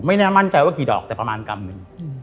แน่มั่นใจว่ากี่ดอกแต่ประมาณกรัมหนึ่ง